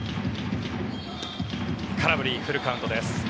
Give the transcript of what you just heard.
空振りフルカウントです。